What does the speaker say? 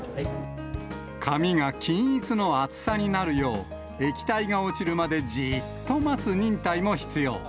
紙が均一の厚さになるよう、液体が落ちるまでじっと待つ忍耐も必要。